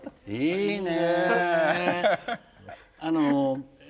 いいね。